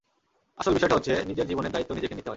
আসল বিষয়টা হচ্ছে, নিজের জীবনের দায়িত্ব নিজেকে নিতে হয়।